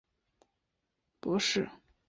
首任宿舍舍监为杨鹤强博士及邓素琴博士。